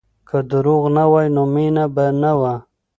که دروغ نه وای نو مینه به نه وه.